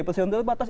presiden dari batas